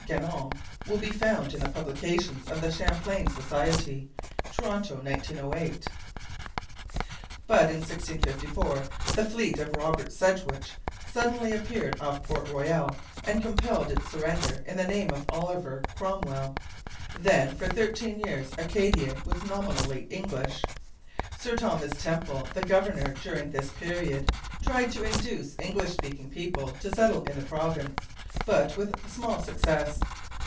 Ganong, will be found in the publications of the Champlain Society (Toronto, 1908).] But in 1654 the fleet of Robert Sedgwick suddenly appeared off Port Royal and compelled its surrender in the name of Oliver Cromwell. Then for thirteen years Acadia was nominally English. Sir Thomas Temple, the governor during this period, tried to induce English speaking people to settle in the province, but with small success.